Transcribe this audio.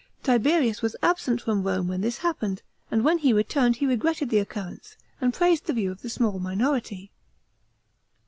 Til>erius was absent from Home when this happened, and when he returned he regretted the occurrence, and praised the view of the small minority.